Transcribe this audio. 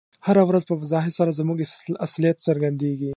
هره ورځ په وضاحت سره زموږ اصلیت څرګندیږي.